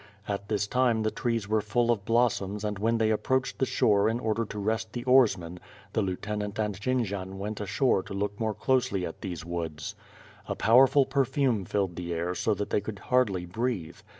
At this time the trees were full of blossoms and when they approached the shore in order to rest the oarsmen, the lieu tenant and Jendzian w^ent ashore to look more closely at these woods. A powerful perfume filled the air so that they could hardly breathe.